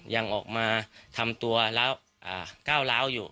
ยังออกมาทำตัวแล้วก้าวร้าวอยู่